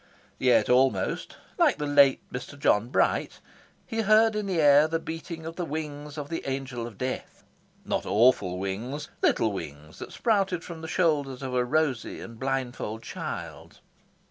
Yet almost, like the late Mr. John Bright, he heard in the air the beating of the wings of the Angel of Death. Not awful wings; little wings that sprouted from the shoulders of a rosy and blindfold child.